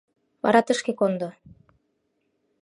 Вара тышке кондо.